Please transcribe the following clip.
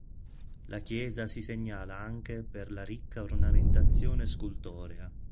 La chiesa si segnala anche per la ricca ornamentazione scultorea.